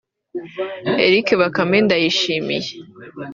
Eric Bakame Ndayishimiye